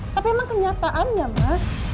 tapi emang kenyataannya ma